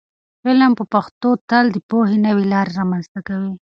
علم په پښتو تل د پوهې نوې لارې رامنځته کوي.